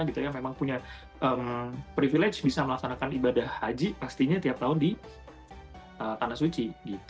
kita yang memang punya privilege bisa melaksanakan ibadah haji pastinya tiap tahun di tanah suci